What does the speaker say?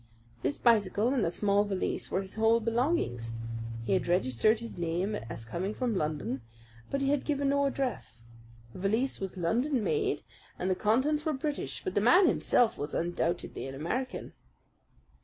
This bicycle and a small valise were his whole belongings. He had registered his name as coming from London, but had given no address. The valise was London made, and the contents were British; but the man himself was undoubtedly an American."